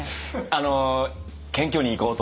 あの謙虚にいこうと。